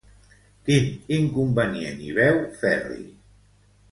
Quin inconvenient hi veu Ferri?